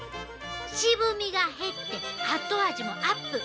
渋みが減って後味もアップ。